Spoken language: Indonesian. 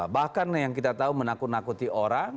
bahkan yang kita tahu menakuti orang